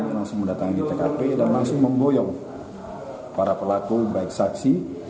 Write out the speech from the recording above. langsung mendatangi tkp dan langsung memboyong para pelaku baik saksi